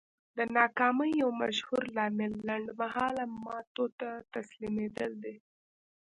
د ناکامۍ يو مشهور لامل لنډ مهاله ماتو ته تسليمېدل دي.